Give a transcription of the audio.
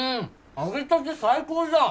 揚げたて最高じゃん！